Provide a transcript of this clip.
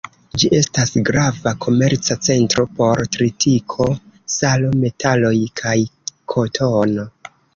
Ĝi estas grava komerca centro por tritiko, salo, metaloj kaj kotono.